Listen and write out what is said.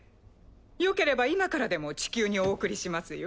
よければ今からでも地球にお送りしますよ。